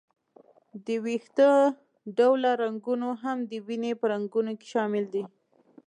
د وېښته ډوله رګونه هم د وینې په رګونو کې شامل دي.